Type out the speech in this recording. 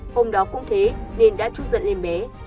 hôm đó cũng thế nên đã trút giận lên bé